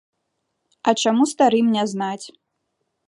А чаму старым не знаць?